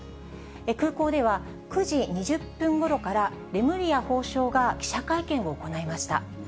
空港では９時２０分ごろからレムリヤ法相が記者会見を行いました。